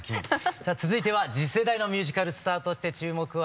さあ続いては次世代のミュージカルスターとして注目を集めます